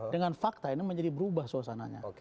dengan fakta ini menjadi berubah suasananya